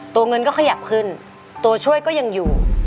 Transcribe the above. เงินก็ขยับขึ้นตัวช่วยก็ยังอยู่